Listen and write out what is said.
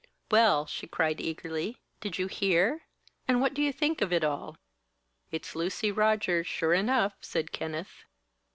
"Well!" she cried, eagerly, "did you hear? And what do you think of it all?" "It's Lucy Rogers, sure enough," said Kenneth.